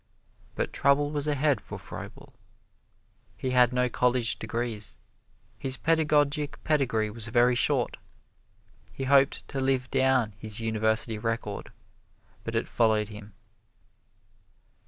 But trouble was ahead for Froebel. He had no college degrees. His pedagogic pedigree was very short. He hoped to live down his university record, but it followed him.